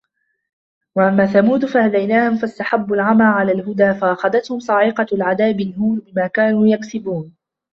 وأما ثمود فهديناهم فاستحبوا العمى على الهدى فأخذتهم صاعقة العذاب الهون بما كانوا يكسبون